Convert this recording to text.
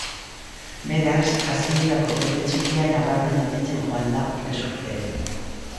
Beraz, hasierako koru txikia, nabarmen handitzen joan da urtez urte.